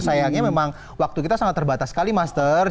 sayangnya memang waktu kita sangat terbatas sekali master